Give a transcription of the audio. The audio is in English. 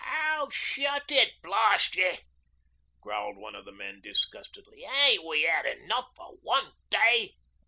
'Oh, shut it, blast ye,' growled one of the men disgustedly. 'Ain't we 'ad enough for one day?'